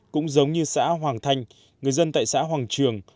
cũng giống như xã hoàng thanh người dân tại xã hoàng trường